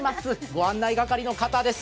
ご案内係の方です